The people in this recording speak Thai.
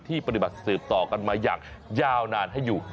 ปฏิบัติสืบต่อกันมาอย่างยาวนานให้อยู่